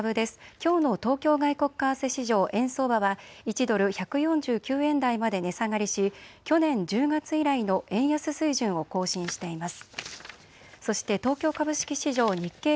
きょうの東京外国為替市場、円相場は１ドル１４９円台まで値下がりし去年１０月以来の円安水準を更新しています。